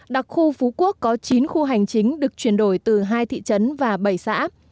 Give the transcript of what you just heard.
đặc khu phú quốc có chín khu hành chính được chuyển đổi từ hai thị trấn và bảy xã